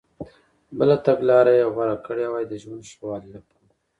بله تګلارې یې غوره کړي وای د ژوند ښه والي لپاره.